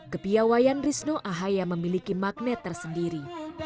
kepiawayan risno ahaya memiliki magnet tersendiri